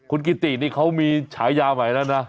คุณกิตินี่เขามีฉายาใหม่แล้วนะ